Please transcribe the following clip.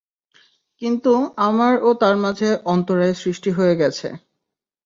কিন্তু আমার ও তার মাঝে অন্তরায় সৃষ্টি হয়ে গেছে।